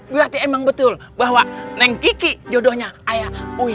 berarti emang betul bahwa nenek kiki jodohnya ayah huya